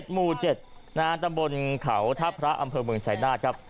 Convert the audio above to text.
หมู่๗ตำบลเขาท่าพระอำเภอเมืองชายนาฏครับ